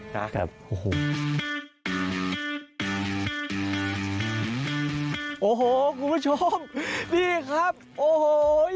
ได้ครับโอ้โฮคุณผู้ชมนี่ครับโอ้โฮ